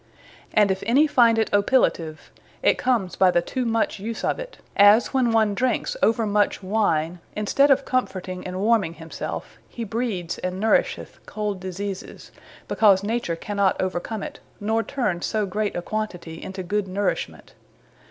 And if any finde it Opilative, it comes by the too much use of it; as when one drinkes over much Wine, in stead of comforting, and warming himselfe, he breeds, and nourisheth cold diseases; because Nature cannot overcome it, nor turne so great a quantity into good nourishment.